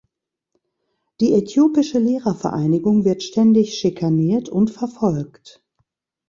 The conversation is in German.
Die äthiopische Lehrervereinigung wird ständig schikaniert und verfolgt.